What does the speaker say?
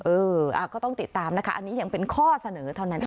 เออก็ต้องติดตามนะคะอันนี้ยังเป็นข้อเสนอเท่านั้นเอง